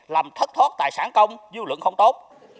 làm thất thoát tài sản công dư luận không tốt